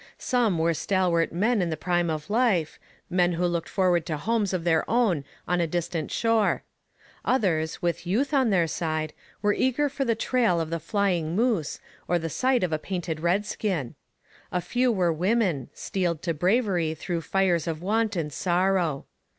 Some were stalwart men in the prime of life, men who looked forward to homes of their own on a distant shore; others, with youth on their side, were eager for the trail of the flying moose or the sight of a painted redskin; a few were women, steeled to bravery through fires of want and sorrow.